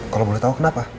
kalau boleh tahu kenapa